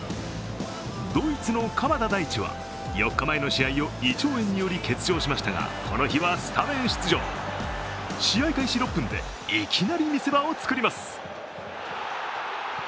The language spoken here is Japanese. ドイツの鎌田大地は４日前の試合を胃腸炎により欠場しましたがこの日はスタメン出場。試合開始６分で、いきなり見せ場を作ります。